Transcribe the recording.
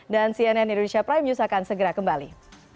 cnn indonesia prime news akan segera kembali